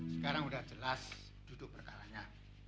sekarang sudah jelas duduk berkalanya